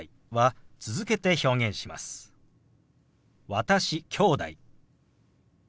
「私」「きょうだい」。